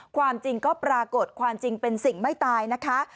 ความจริงก็ปรากฏความจริงเป็นสิ่งไม่ตายนะคะ